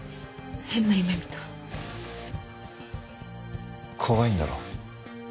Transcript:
変な夢見た。怖いんだろ？